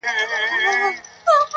دا بلي ډېوې مړې که زما خوبونه تښتوي!